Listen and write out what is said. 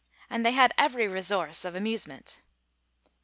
And they had every resource of amusement.